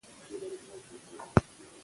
په افغانستان کې زردالو ډېر اهمیت لري.